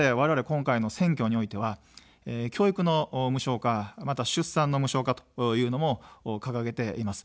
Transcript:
今回の選挙においては教育の無償化、また出産の無償化というのも掲げています。